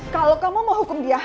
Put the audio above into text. kalau kamu mau hukum dia